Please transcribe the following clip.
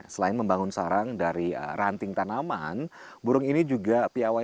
selain membangun sarang dari ranting tanaman burung ini juga piawai